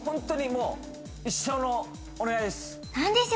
もう一生のお願いです